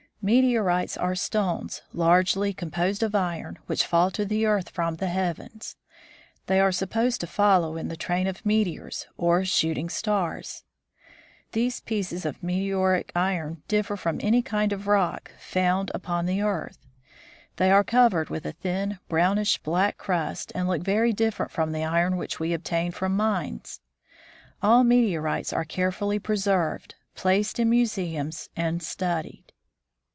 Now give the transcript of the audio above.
Meteorites are stones, largely composed of iron, which fall to the earth from the heavens. They are supposed to follow in the train of meteors, or shooting stars. These pieces of meteoric iron differ from any kind of rock found PEARY CROSSES GREENLAND 145 upon the earth. They are covered with a thin, brownish black crust, and look very different from the iron which we obtain from mines. All meteorites are carefully preserved, placed in museums, and studied.